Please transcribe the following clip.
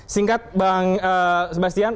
singkat bang sebastian